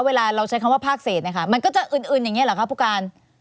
เวลาเราใช้คำว่าภาคเศษนะคะมันก็จะอึนอย่างนี้หรอคะผู้การ